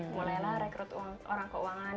mulailah rekrut orang keuangan